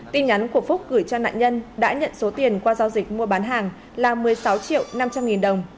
tin nhắn của phúc gửi cho nạn nhân đã nhận số tiền qua giao dịch mua bán hàng là một mươi sáu triệu năm trăm linh nghìn đồng